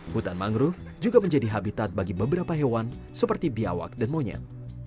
hutan mangrove juga menjadi habitat bagi beberapa hewan seperti biawak dan monyet